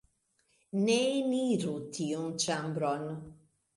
Ne eniru tiun ĉambron...